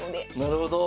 なるほど。